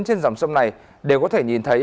trên dòng sông này đều có thể nhìn thấy